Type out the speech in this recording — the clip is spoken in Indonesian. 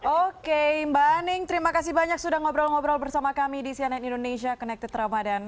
oke mbak aning terima kasih banyak sudah ngobrol ngobrol bersama kami di cnn indonesia connected ramadan